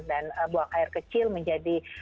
dan buang air kecil menjadi